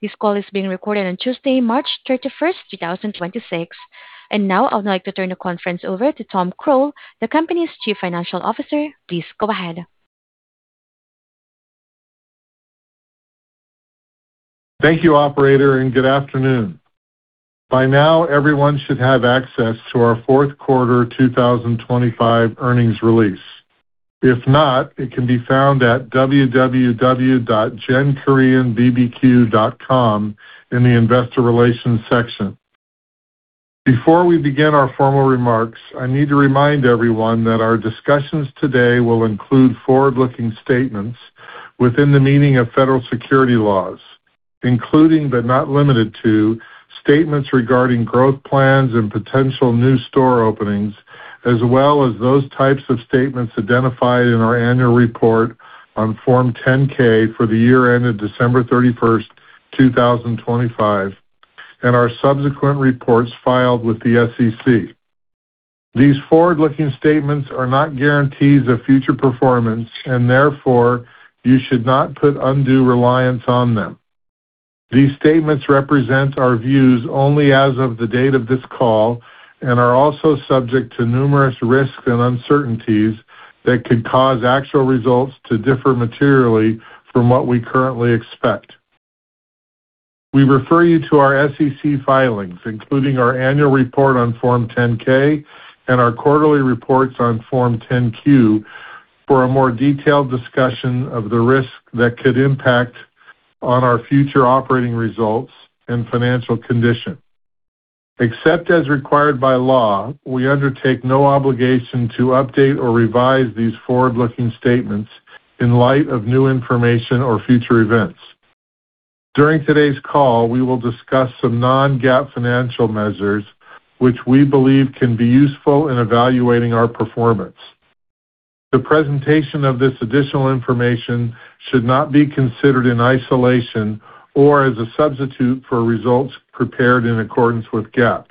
This call is being recorded on Tuesday, March 31st, 2026. Now I would like to turn the conference over to Tom Croal, the company's Chief Financial Officer. Please go ahead. Thank you, operator, and good afternoon. By now, everyone should have access to our fourth quarter 2025 earnings release. If not, it can be found at www.genkoreanbbq.com in the Investor Relations section. Before we begin our formal remarks, I need to remind everyone that our discussions today will include forward-looking statements within the meaning of federal securities laws, including, but not limited to, statements regarding growth plans and potential new store openings, as well as those types of statements identified in our annual report on Form 10-K for the year ended December 31st, 2025, and our subsequent reports filed with the SEC. These forward-looking statements are not guarantees of future performance, and therefore, you should not put undue reliance on them. These statements represent our views only as of the date of this call and are also subject to numerous risks and uncertainties that could cause actual results to differ materially from what we currently expect. We refer you to our SEC filings, including our annual report on Form 10-K and our quarterly reports on Form 10-Q for a more detailed discussion of the risks that could impact on our future operating results and financial condition. Except as required by law, we undertake no obligation to update or revise these forward-looking statements in light of new information or future events. During today's call, we will discuss some non-GAAP financial measures which we believe can be useful in evaluating our performance. The presentation of this additional information should not be considered in isolation or as a substitute for results prepared in accordance with GAAP.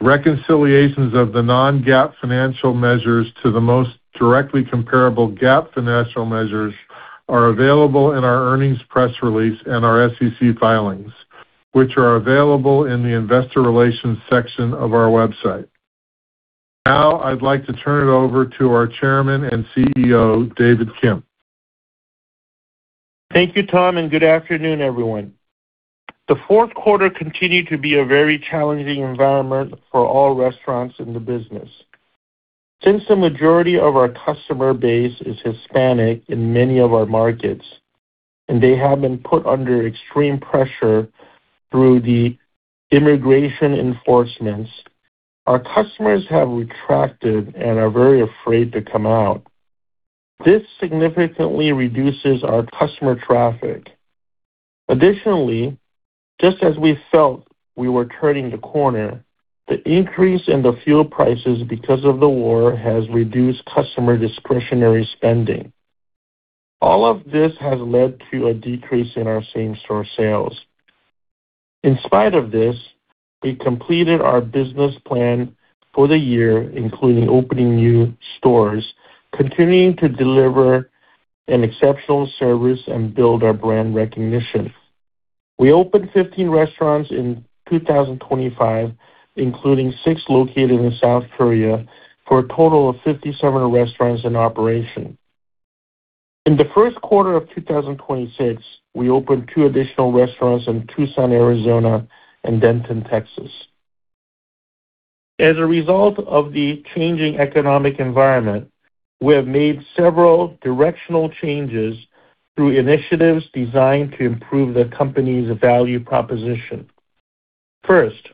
Reconciliations of the non-GAAP financial measures to the most directly comparable GAAP financial measures are available in our earnings press release and our SEC filings, which are available in the Investor Relations section of our website. Now, I'd like to turn it over to our Chairman and CEO, David Kim. Thank you, Tom, and good afternoon, everyone. The fourth quarter continued to be a very challenging environment for all restaurants in the business. Since the majority of our customer base is Hispanic in many of our markets, and they have been put under extreme pressure through the immigration enforcement, our customers have retreated and are very afraid to come out. This significantly reduces our customer traffic. Additionally, just as we felt we were turning the corner, the increase in the fuel prices because of the war has reduced customer discretionary spending. All of this has led to a decrease in our same-store sales. In spite of this, we completed our business plan for the year, including opening new stores, continuing to deliver an exceptional service and build our brand recognition. We opened 15 restaurants in 2025, including six located in South Korea for a total of 57 restaurants in operation. In the first quarter of 2026, we opened two additional restaurants in Tucson, Arizona, and Denton, Texas. As a result of the changing economic environment, we have made several directional changes through initiatives designed to improve the company's value proposition. First,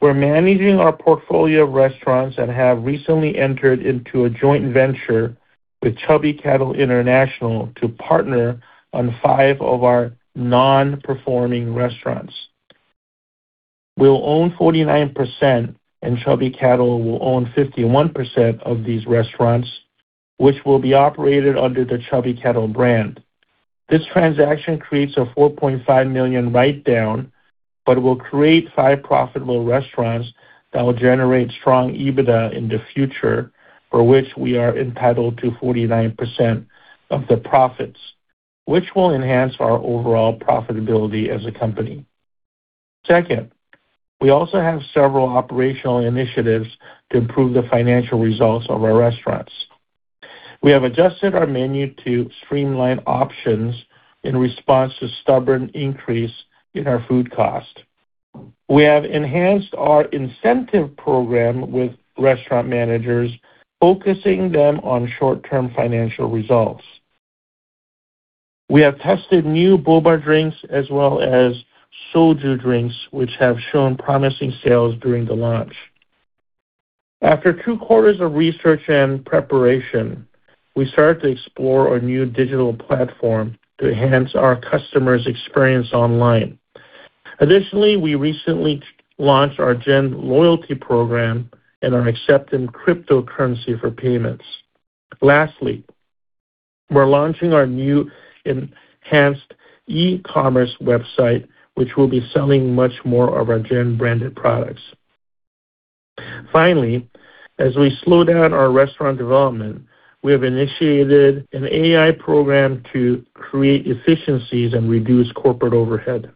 we're managing our portfolio of restaurants and have recently entered into a joint venture with Chubby Cattle International to partner on five of our non-performing restaurants. We'll own 49% and Chubby Cattle will own 51% of these restaurants, which will be operated under the Chubby Cattle brand. This transaction creates a $4.5 million write-down but will create five profitable restaurants that will generate strong EBITDA in the future, for which we are entitled to 49% of the profits, which will enhance our overall profitability as a company. Second, we also have several operational initiatives to improve the financial results of our restaurants. We have adjusted our menu to streamline options in response to stubborn increase in our food cost. We have enhanced our incentive program with restaurant managers, focusing them on short-term financial results. We have tested new boba drinks as well as soju drinks, which have shown promising sales during the launch. After two quarters of research and preparation, we start to explore a new digital platform to enhance our customers' experience online. Additionally, we recently launched our GEN loyalty program and are accepting cryptocurrency for payments. Lastly, we're launching our new enhanced e-commerce website, which will be selling much more of our GEN-branded products. Finally, as we slow down our restaurant development, we have initiated an AI program to create efficiencies and reduce corporate overhead.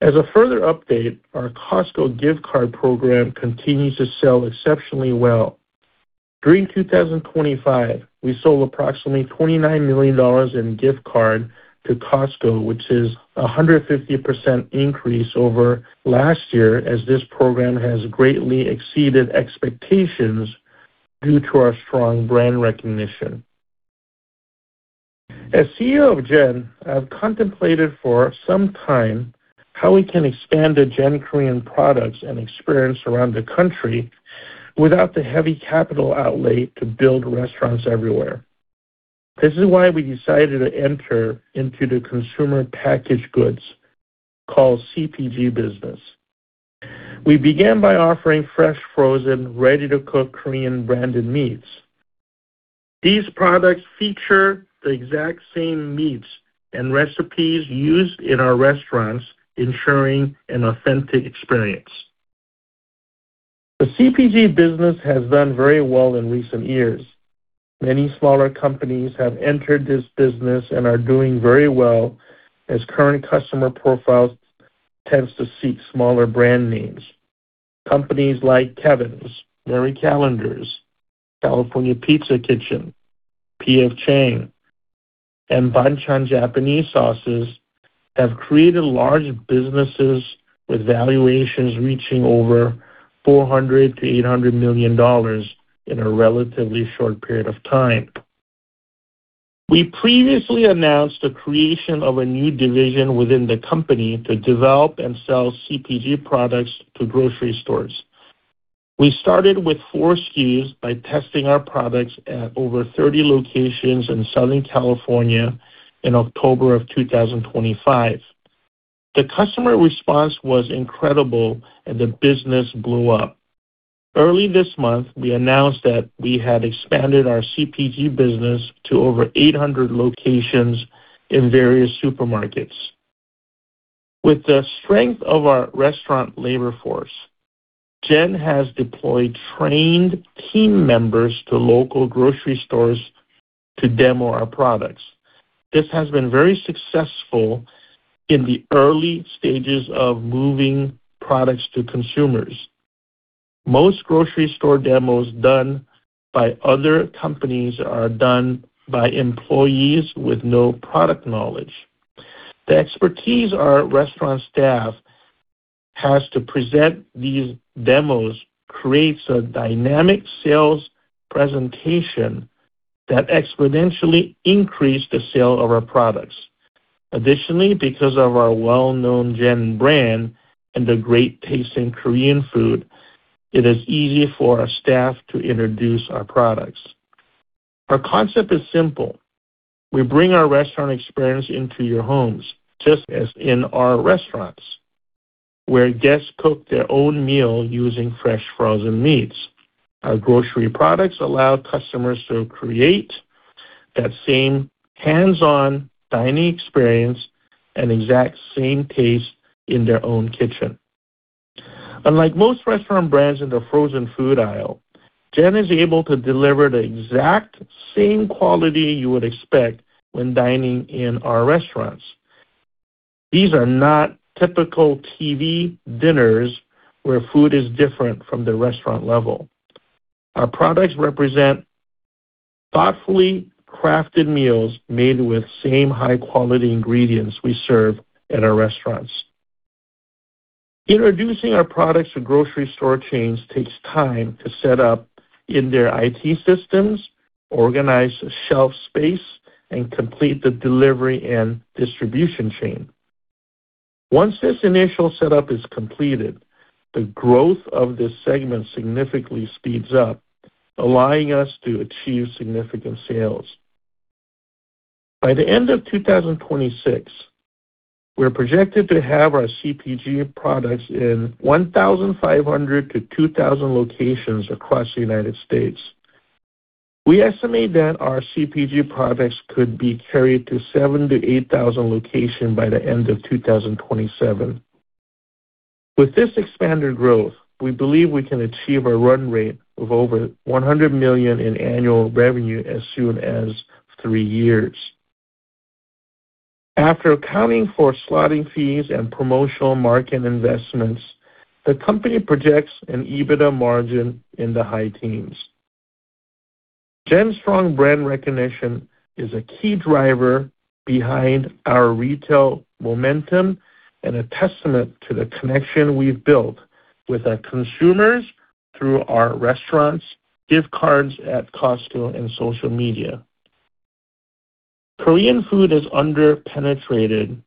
As a further update, our Costco gift card program continues to sell exceptionally well. During 2025, we sold approximately $29 million in gift cards to Costco, which is a 150% increase over last year as this program has greatly exceeded expectations due to our strong brand recognition. As CEO of GEN, I've contemplated for some time how we can expand the GEN Korean products and experience around the country without the heavy capital outlay to build restaurants everywhere. This is why we decided to enter into the consumer packaged goods called CPG business. We began by offering fresh, frozen, ready-to-cook Korean branded meats. These products feature the exact same meats and recipes used in our restaurants, ensuring an authentic experience. The CPG business has done very well in recent years. Many smaller companies have entered this business and are doing very well as current customer profiles tends to seek smaller brand names. Companies like Kevin's, Marie Callender's, California Pizza Kitchen, P.F. Chang's, and Bachan's Japanese sauces have created large businesses with valuations reaching over $400 million-$800 million in a relatively short period of time. We previously announced the creation of a new division within the company to develop and sell CPG products to grocery stores. We started with four SKUs by testing our products at over 30 locations in Southern California in October 2025. The customer response was incredible, and the business blew up. Early this month, we announced that we had expanded our CPG business to over 800 locations in various supermarkets. With the strength of our restaurant labor force, GEN has deployed trained team members to local grocery stores to demo our products. This has been very successful in the early stages of moving products to consumers. Most grocery store demos done by other companies are done by employees with no product knowledge. The expertise our restaurant staff has to present these demos creates a dynamic sales presentation that exponentially increase the sale of our products. Additionally, because of our well-known GEN brand and the great-tasting Korean food, it is easy for our staff to introduce our products. Our concept is simple. We bring our restaurant experience into your homes, just as in our restaurants, where guests cook their own meal using fresh frozen meats. Our grocery products allow customers to create that same hands-on dining experience and exact same taste in their own kitchen. Unlike most restaurant brands in the frozen food aisle, GEN is able to deliver the exact same quality you would expect when dining in our restaurants. These are not typical TV dinners where food is different from the restaurant level. Our products represent thoughtfully crafted meals made with same high-quality ingredients we serve at our restaurants. Introducing our products to grocery store chains takes time to set up in their IT systems, organize shelf space, and complete the delivery and distribution chain. Once this initial setup is completed, the growth of this segment significantly speeds up, allowing us to achieve significant sales. By the end of 2026, we're projected to have our CPG products in 1,500-2,000 locations across the United States. We estimate that our CPG products could be carried to 7,000-8,000 locations by the end of 2027. With this expanded growth, we believe we can achieve a run rate of over $100 million in annual revenue as soon as three years. After accounting for slotting fees and promotional market investments, the company projects an EBITDA margin in the high teens. GEN's strong brand recognition is a key driver behind our retail momentum and a testament to the connection we've built with our consumers through our restaurants, gift cards at Costco, and social media. Korean food is under-penetrated,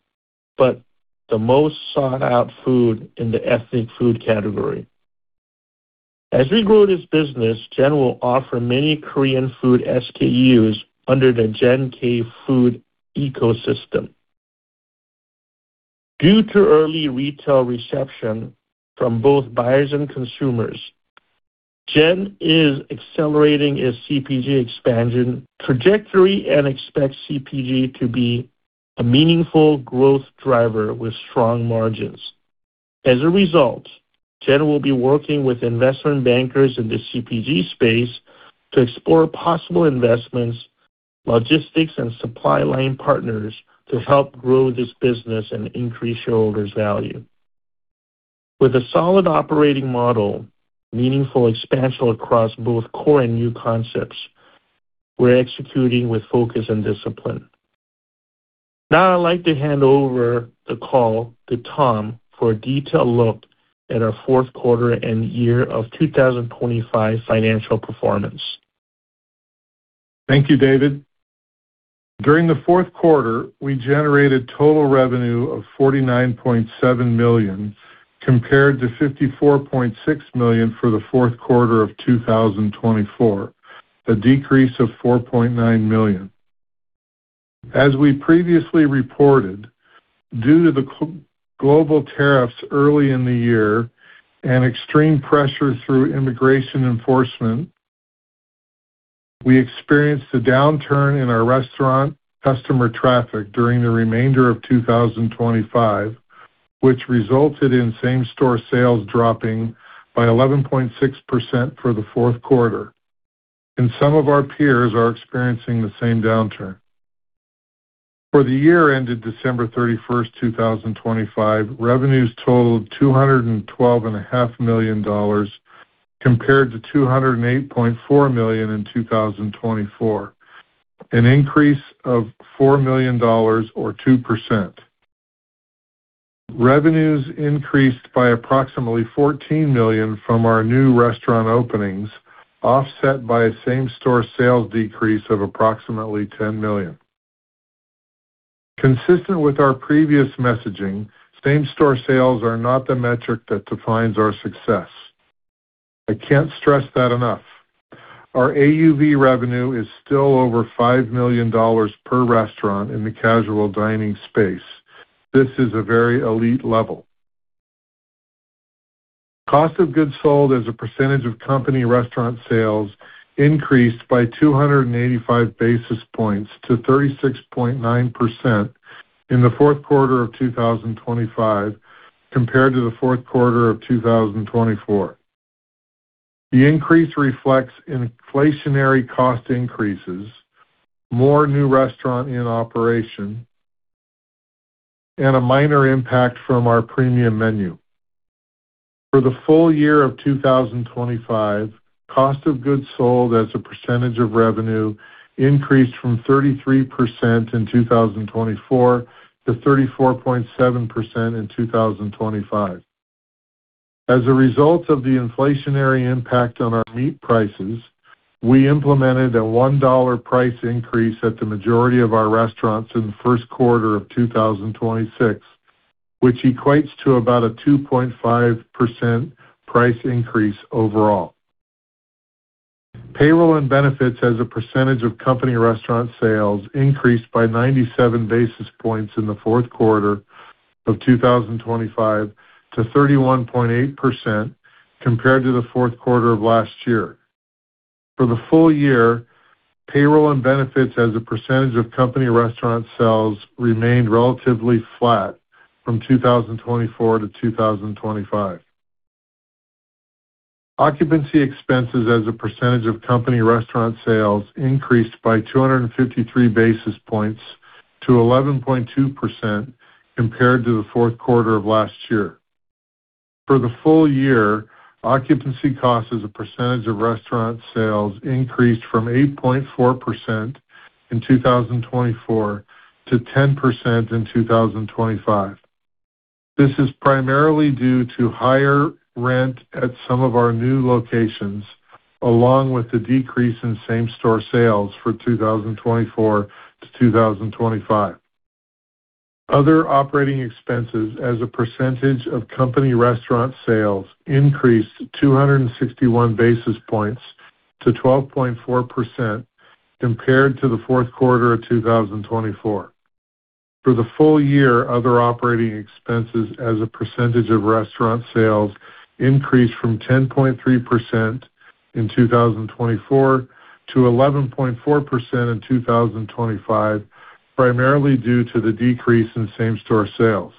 but the most sought-out food in the ethnic food category. As we grow this business, GEN will offer many Korean food SKUs under the GEN K-food ecosystem. Due to early retail reception from both buyers and consumers, GEN is accelerating its CPG expansion trajectory and expects CPG to be a meaningful growth driver with strong margins. As a result, GEN will be working with investment bankers in the CPG space to explore possible investments, logistics and supply line partners to help grow this business and increase shareholder value. With a solid operating model, meaningful expansion across both core and new concepts, we're executing with focus and discipline. Now I'd like to hand over the call to Tom for a detailed look at our fourth quarter and year of 2025 financial performance. Thank you, David. During the fourth quarter, we generated total revenue of $49.7 million compared to $54.6 million for the fourth quarter of 2024, a decrease of $4.9 million. As we previously reported, due to the global tariffs early in the year and extreme pressure through immigration enforcement, we experienced a downturn in our restaurant customer traffic during the remainder of 2025, which resulted in same-store sales dropping by 11.6% for the fourth quarter, and some of our peers are experiencing the same downturn. For the year ended December 31st, 2025, revenues totaled $212.5 million compared to $208.4 million in 2024, an increase of $4 million or 2%. Revenues increased by approximately $14 million from our new restaurant openings, offset by a same-store sales decrease of approximately $10 million. Consistent with our previous messaging, same-store sales are not the metric that defines our success. I can't stress that enough. Our AUV revenue is still over $5 million per restaurant in the casual dining space. This is a very elite level. Cost of goods sold as a percentage of company restaurant sales increased by 285 basis points to 36.9% in the fourth quarter of 2025 compared to the fourth quarter of 2024. The increase reflects inflationary cost increases, more new restaurant in operation, and a minor impact from our premium menu. For the full year of 2025, cost of goods sold as a percentage of revenue increased from 33% in 2024 to 34.7% in 2025. As a result of the inflationary impact on our meat prices, we implemented a $1 price increase at the majority of our restaurants in the first quarter of 2026, which equates to about a 2.5% price increase overall. Payroll and benefits as a percentage of company restaurant sales increased by 97 basis points in the fourth quarter of 2025 to 31.8% compared to the fourth quarter of last year. For the full year, payroll and benefits as a percentage of company restaurant sales remained relatively flat from 2024 to 2025. Occupancy expenses as a percentage of company restaurant sales increased by 253 basis points to 11.2% compared to the fourth quarter of last year. For the full year, occupancy cost as a percentage of restaurant sales increased from 8.4% in 2024 to 10% in 2025. This is primarily due to higher rent at some of our new locations, along with the decrease in same-store sales for 2024 to 2025. Other operating expenses as a percentage of company restaurant sales increased 261 basis points to 12.4% compared to the fourth quarter of 2024. For the full year, other operating expenses as a percentage of restaurant sales increased from 10.3% in 2024 to 11.4% in 2025, primarily due to the decrease in same-store sales.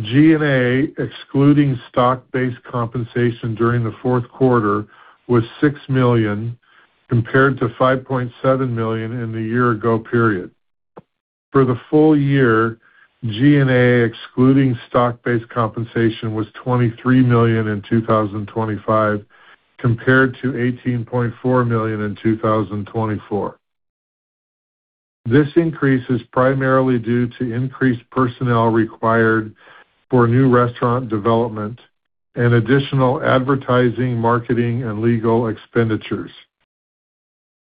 G&A, excluding stock-based compensation during the fourth quarter was $6 million, compared to $5.7 million in the year ago period. For the full year, G&A, excluding stock-based compensation, was $23 million in 2025 compared to $18.4 million in 2024. This increase is primarily due to increased personnel required for new restaurant development and additional advertising, marketing, and legal expenditures.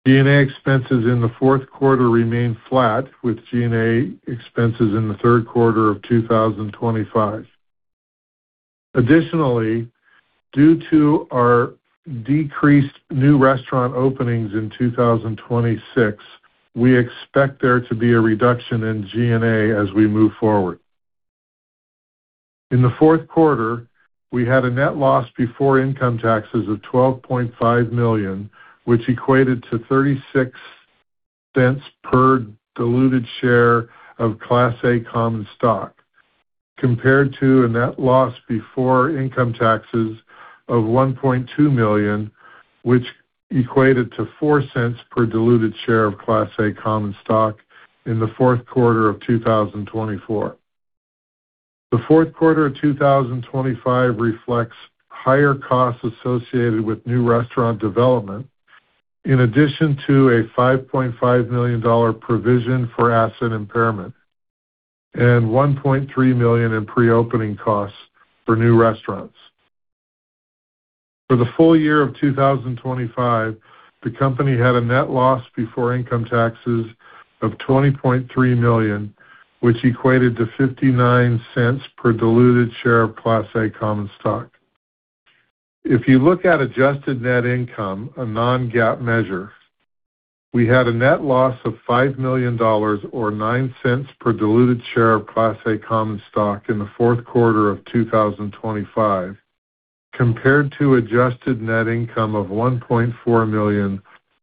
G&A expenses in the fourth quarter remained flat with G&A expenses in the third quarter of 2025. Additionally, due to our decreased new restaurant openings in 2026, we expect there to be a reduction in G&A as we move forward. In the fourth quarter, we had a net loss before income taxes of $12.5 million, which equated to $0.36 per diluted share of Class A common stock, compared to a net loss before income taxes of $1.2 million, which equated to $0.04 per diluted share of Class A common stock in the fourth quarter of 2024. The fourth quarter of 2025 reflects higher costs associated with new restaurant development, in addition to a $5.5 million provision for asset impairment and $1.3 million in pre-opening costs for new restaurants. For the full year of 2025, the company had a net loss before income taxes of $20.3 million, which equated to $0.59 per diluted share of Class A common stock. If you look at adjusted net income, a non-GAAP measure, we had a net loss of $5 million or $0.09 per diluted share of Class A common stock in the fourth quarter of 2025, compared to adjusted net income of $1.4 million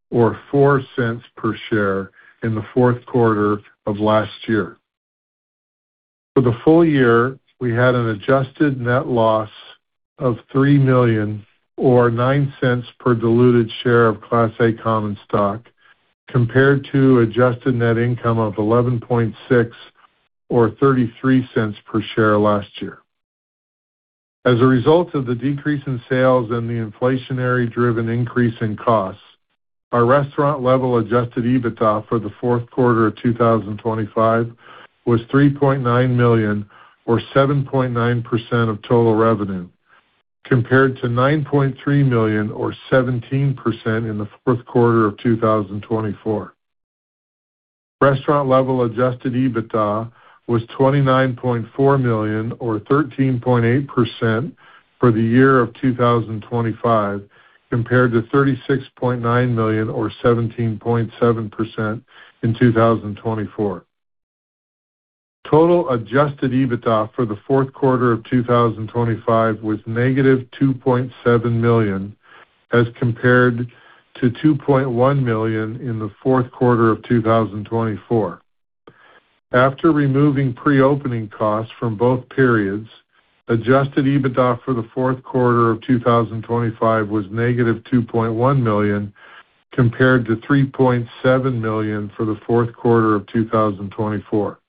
or $0.04 per share in the fourth quarter of last year. For the full year, we had an adjusted net loss of $3 million or $0.09 per diluted share of Class A common stock, compared to adjusted net income of $11.6 million or $0.33 per share last year. As a result of the decrease in sales and the inflationary driven increase in costs, our restaurant level adjusted EBITDA for the fourth quarter of 2025 was $3.9 million or 7.9% of total revenue, compared to $9.3 million or 17% in the fourth quarter of 2024. Restaurant level adjusted EBITDA was $29.4 million or 13.8% for the year of 2025, compared to $36.9 million or 17.7% in 2024. Total adjusted EBITDA for the fourth quarter of 2025 was negative $2.7 million as compared to $2.1 million in the fourth quarter of 2024. After removing pre-opening costs from both periods, adjusted EBITDA for the fourth quarter of 2025 was -$2.1 million compared to $3.7 million for the fourth quarter of 2024.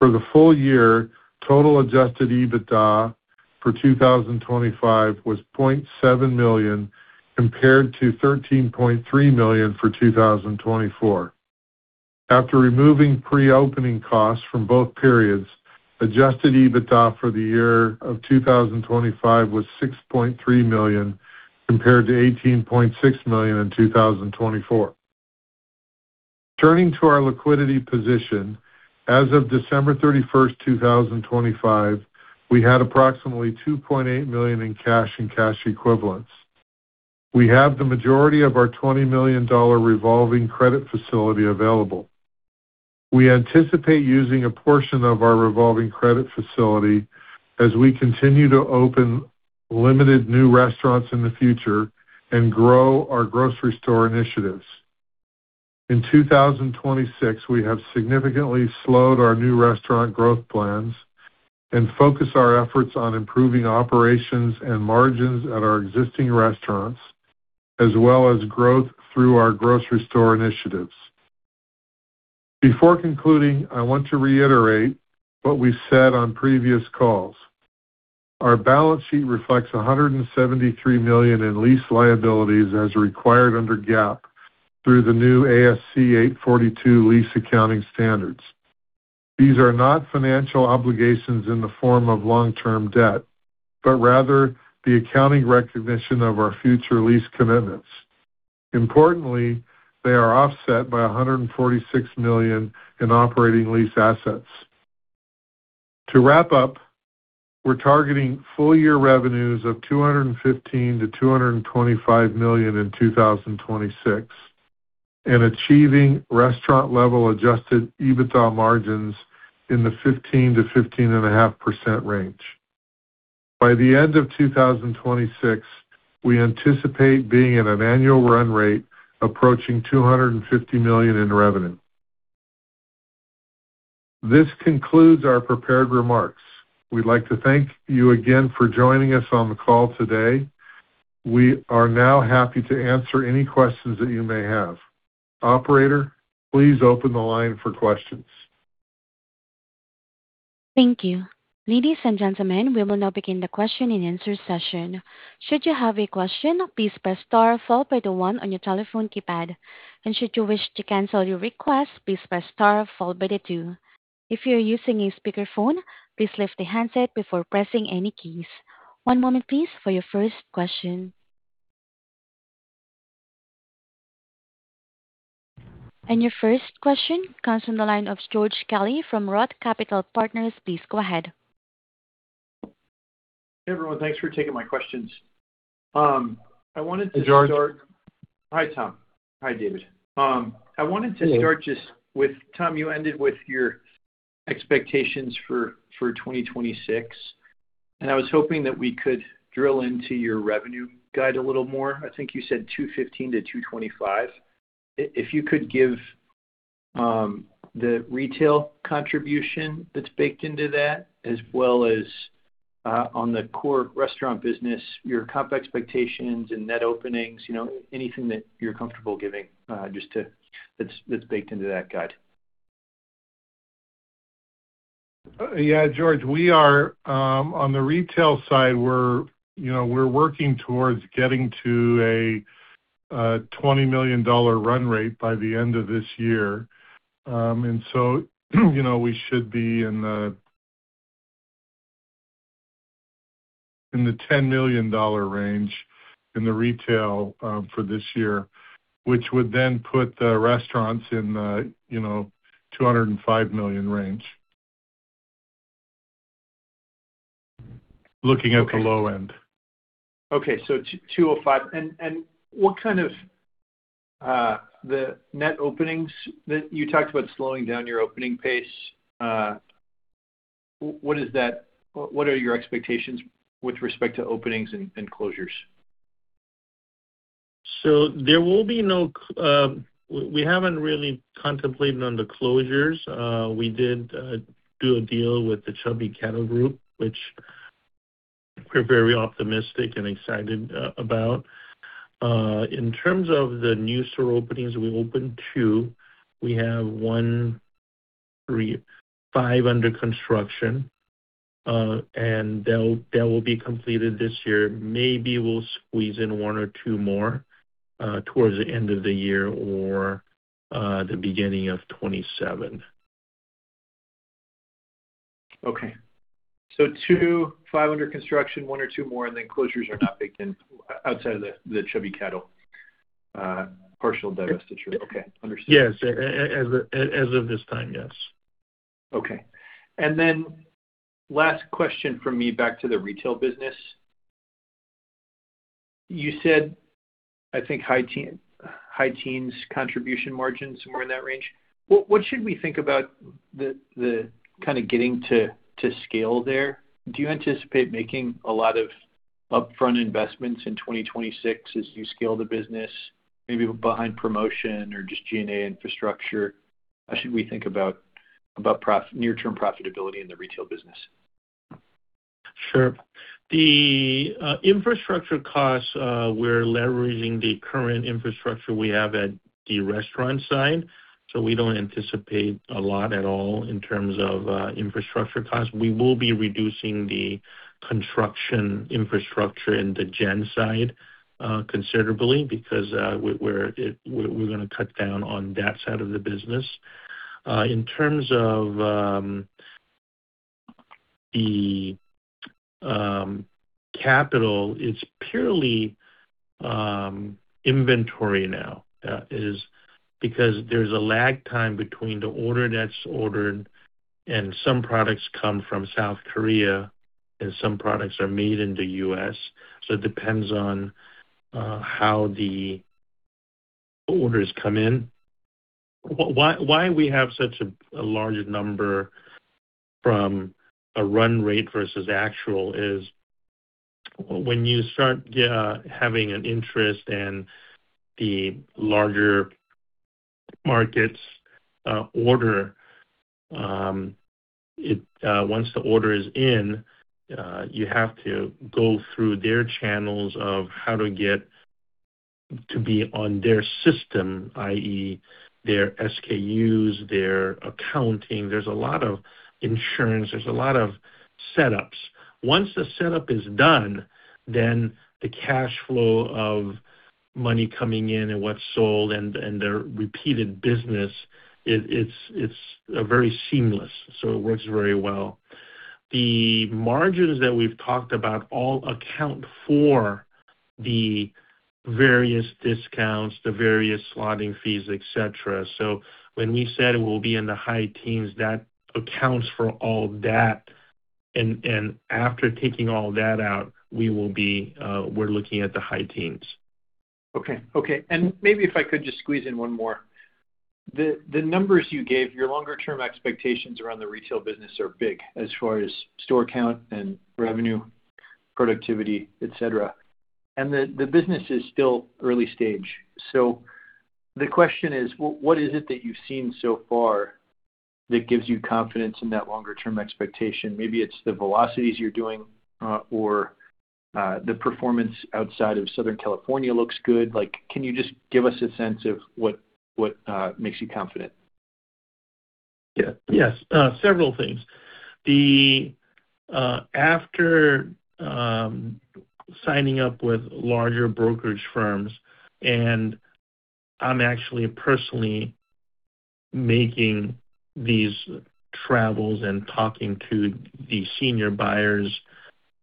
For the full year, total adjusted EBITDA for 2025 was $0.7 million compared to $13.3 million for 2024. After removing pre-opening costs from both periods, adjusted EBITDA for the year of 2025 was $6.3 million compared to $18.6 million in 2024. Turning to our liquidity position. As of December 31st, 2025, we had approximately $2.8 million in cash and cash equivalents. We have the majority of our $20 million revolving credit facility available. We anticipate using a portion of our revolving credit facility as we continue to open limited new restaurants in the future and grow our grocery store initiatives. In 2026, we have significantly slowed our new restaurant growth plans and focus our efforts on improving operations and margins at our existing restaurants, as well as growth through our grocery store initiatives. Before concluding, I want to reiterate what we said on previous calls. Our balance sheet reflects $173 million in lease liabilities as required under GAAP through the new ASC 842 lease accounting standards. These are not financial obligations in the form of long-term debt, but rather the accounting recognition of our future lease commitments. Importantly, they are offset by $146 million in operating lease assets. To wrap up, we're targeting full-year revenues of $215 million-$225 million in 2026 and achieving restaurant level adjusted EBITDA margins in the 15%-15.5% range. By the end of 2026, we anticipate being at an annual run rate approaching $250 million in revenue. This concludes our prepared remarks. We'd like to thank you again for joining us on the call today. We are now happy to answer any questions that you may have. Operator, please open the line for questions. Thank you. Ladies and gentlemen, we will now begin the question-and-answer session. Should you have a question, please press star followed by the one on your telephone keypad. Should you wish to cancel your request, please press star followed by the two. If you're using a speakerphone, please lift the handset before pressing any keys. One moment please, for your first question. Your first question comes from the line of George Kelly from Roth Capital Partners. Please go ahead. Hey, everyone. Thanks for taking my questions. I wanted to start- Hey, George. Hi, Tom. Hi, David. I wanted to start just with Tom. You ended with your expectations for 2026, and I was hoping that we could drill into your revenue guide a little more. I think you said $215 million-$225 million. If you could give the retail contribution that's baked into that as well as on the core restaurant business, your comp expectations and net openings, you know, anything that you're comfortable giving, that's baked into that guide. Yeah, George, we are on the retail side, we're, you know, we're working towards getting to a $20 million run rate by the end of this year. You know, we should be in the $10 million range in the retail for this year, which would then put the restaurants in the, you know, $205 million range. Looking at the low end. Okay. $205 million. What kind of the net openings that you talked about slowing down your opening pace? What is that? What are your expectations with respect to openings and closures? We haven't really contemplated on the closures. We did do a deal with the Chubby Group, which we're very optimistic and excited about. In terms of the new store openings, we opened two. We have five under construction, and they will be completed this year. Maybe we'll squeeze in one or two more towards the end of the year or the beginning of 2027. Okay. Two, five under construction, one or two more, and then closures are not baked in outside of the Chubby Cattle partial divestiture. Okay. Understood. Yes. As of this time, yes. Okay. Last question from me back to the retail business. You said, I think high teens contribution margins, somewhere in that range. What should we think about the kind of getting to scale there? Do you anticipate making a lot of upfront investments in 2026 as you scale the business, maybe behind promotion or just G&A infrastructure? How should we think about near-term profitability in the retail business? Sure. The infrastructure costs, we're leveraging the current infrastructure we have at the restaurant side, so we don't anticipate a lot at all in terms of infrastructure costs. We will be reducing the construction infrastructure in the GEN side considerably because we're going to cut down on that side of the business. In terms of the capital, it's purely inventory now. It's because there's a lag time between the order that's ordered, and some products come from South Korea, and some products are made in the U.S. It depends on how the orders come in. Why we have such a large number from a run rate versus actual is when you start having an interest in the larger markets. Once the order is in, you have to go through their channels of how to get to be on their system, i.e., their SKUs, their accounting. There's a lot of insurance; there's a lot of setups. Once the setup is done, then the cash flow of money coming in and what's sold and their repeated business, it's very seamless, so it works very well. The margins that we've talked about all account for the various discounts, the various slotting fees, et cetera. When we said we'll be in the high teens, that accounts for all that. After taking all that out, we're looking at the high teens. Okay. Maybe if I could just squeeze in one more. The numbers you gave, your longer-term expectations around the retail business are big as far as store count and revenue, productivity, et cetera. The business is still early stage. The question is, what is it that you've seen so far that gives you confidence in that longer term expectation? Maybe it's the velocities you're doing, or the performance outside of Southern California looks good. Like, can you just give us a sense of what makes you confident? Yes, several things. After signing up with larger brokerage firms, and I'm actually personally making these travels and talking to the senior buyers,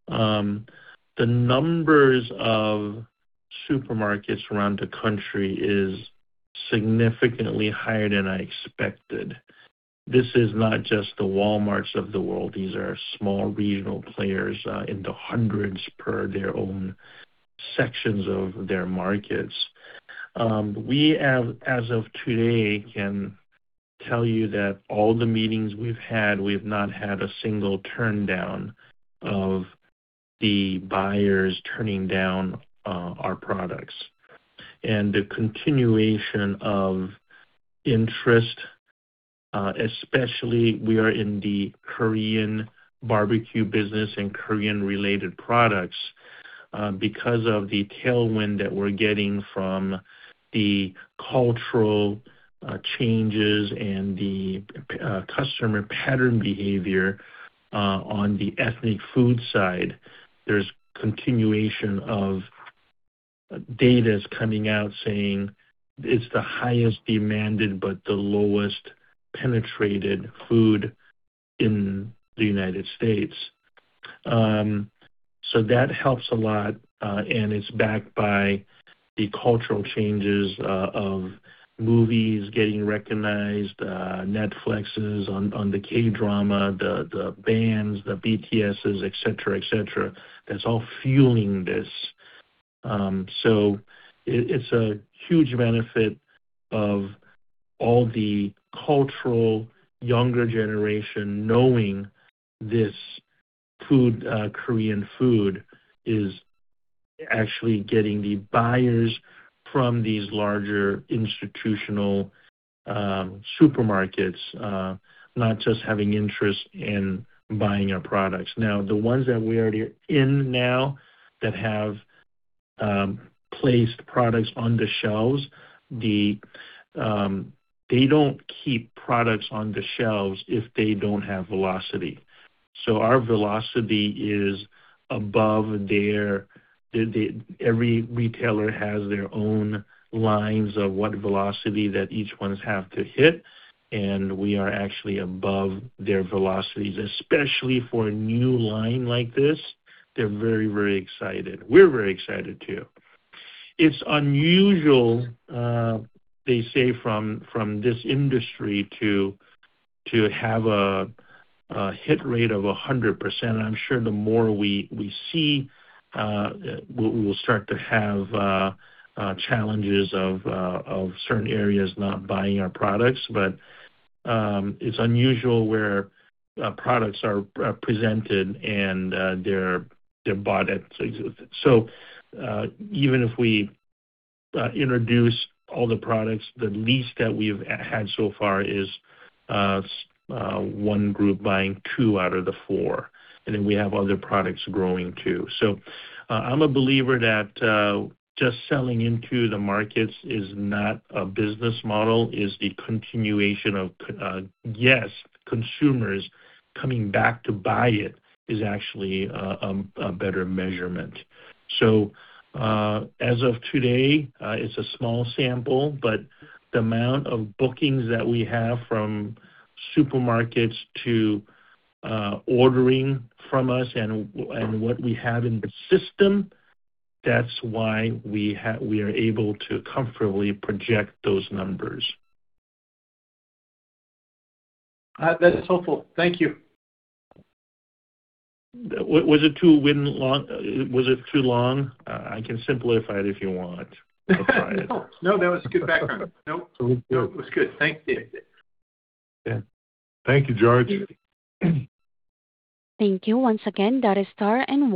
the number of supermarkets around the country is significantly higher than I expected. This is not just the Walmarts of the world. These are small regional players in the hundreds per their own sections of their markets. As of today, I can tell you that all the meetings we've had, we've not had a single turndown of the buyers turning down our products. The continuation of interest, especially we are in the Korean barbecue business and Korean-related products, because of the tailwind that we're getting from the cultural changes and the customer pattern behavior on the ethnic food side. There's continuation of data coming out saying it's the highest demanded but the lowest penetrated food in the United States. That helps a lot, and it's backed by the cultural changes of movies getting recognized, Netflix on the K-drama, the bands, the BTS, et cetera. That's all fueling this. It's a huge benefit of all the cultural younger generation knowing this food, Korean food, actually getting the buyers from these larger institutional supermarkets not just having interest in buying our products. The ones that we are already in that have placed products on the shelves, they don't keep products on the shelves if they don't have velocity. Our velocity is above their... Every retailer has their own lines of what velocity that each ones have to hit, and we are actually above their velocities, especially for a new line like this. They're very, very excited. We're very excited too. It's unusual, they say from this industry to have a hit rate of 100%. I'm sure the more we see, we will start to have challenges of certain areas not buying our products. It's unusual where products are presented and they're bought at. Even if we introduce all the products, the least that we've had so far is one group buying two out of the four, and then we have other products growing too. I'm a believer that just selling into the markets is not a business model, the continuation of consumers coming back to buy it is actually a better measurement. As of today, it's a small sample, but the amount of bookings that we have from supermarkets to ordering from us and what we have in the system, that's why we are able to comfortably project those numbers. That is helpful. Thank you. Was it too long? I can simplify it if you want. No. No, that was good background. Nope. No. It was good. Thank you. Yeah. Thank you, George. Thank you once again. At this time,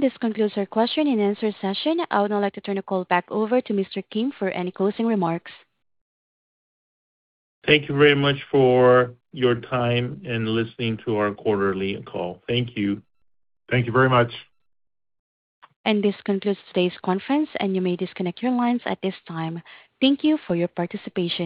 this concludes our question-and-answer session. I would now like to turn the call back over to Mr. Kim for any closing remarks. Thank you very much for your time and listening to our quarterly call. Thank you. Thank you very much. This concludes today's conference, and you may disconnect your lines at this time. Thank you for your participation.